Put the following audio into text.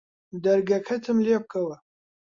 دەرگەکەتم لێ بکەوە